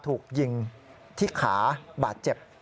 ถูกยิงที่ขาบาดเจ็บ